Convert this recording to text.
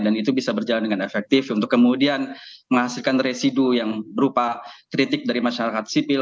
dan itu bisa berjalan dengan efektif untuk kemudian menghasilkan residu yang berupa kritik dari masyarakat sipil